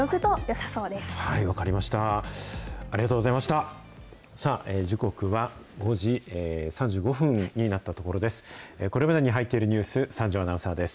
さあ、時刻は５時３５分になったところです。